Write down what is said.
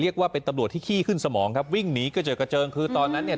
เรียกว่าเป็นตำรวจที่ขี้ขึ้นสมองครับวิ่งหนีกระเจิดกระเจิงคือตอนนั้นเนี่ย